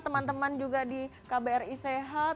teman teman juga di kbri sehat